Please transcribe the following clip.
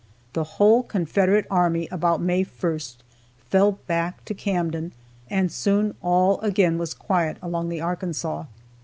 The whole Confederate army, about May 1st, fell back to Camden, and soon all was again quiet along the Arkansas.